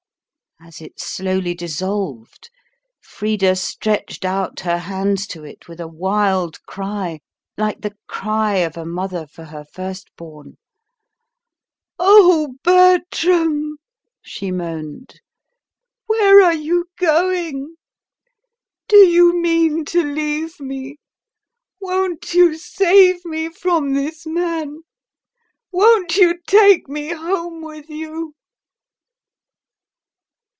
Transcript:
As it slowly dissolved, Frida stretched out her hands to it with a wild cry, like the cry of a mother for her first born. "O Bertram," she moaned, "where are you going? Do you mean to leave me? Won't you save me from this man? Won't you take me home with you?"